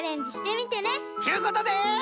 ちゅうことで。